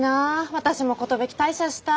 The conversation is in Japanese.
私も寿退社したい。